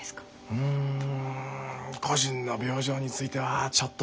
うん個人の病状についてはちょっと。